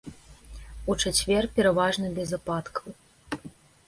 У чацвер пераважна без ападкаў.